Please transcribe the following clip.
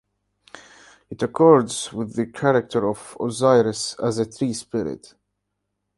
It accords with the character of Osiris as a tree-spirit.